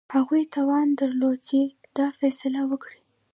هغوی توان درلود چې دا فیصله وکړي.